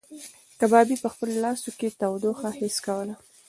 کبابي په خپلو لاسو کې تودوخه حس کوله.